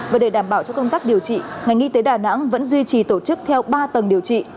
và để đảm bảo cho công tác điều trị ngành y tế đà nẵng vẫn duy trì tổ chức theo ba tầng điều trị